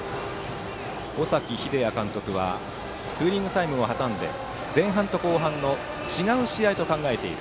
尾崎英也監督はクーリングタイムを挟んで前半と後半を違う試合と考えている。